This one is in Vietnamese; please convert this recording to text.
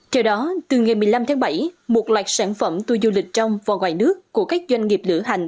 theo đó từ ngày một mươi năm tháng bảy một loạt sản phẩm tour du lịch trong và ngoài nước của các doanh nghiệp lửa hành